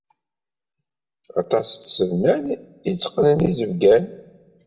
Aṭas n tsednan ay yetteqqnen izebgan.